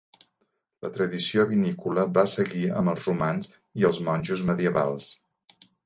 La tradició vinícola va seguir amb els romans i els monjos medievals.